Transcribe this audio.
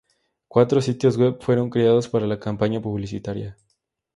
Cuatro sitios web fueron creados para la campaña publicitaria.